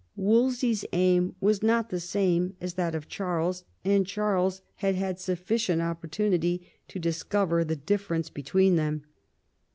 Wolsey's aim was not the same as that of Charles, and Charles had had sufficient opportunity to discover the difference between them.